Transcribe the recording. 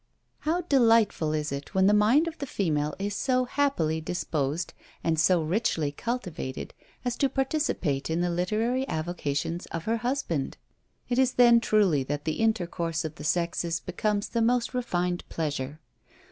How delightful is it when the mind of the female is so happily disposed, and so richly cultivated, as to participate in the literary avocations of her husband! It is then truly that the intercourse of the sexes becomes the most refined pleasure.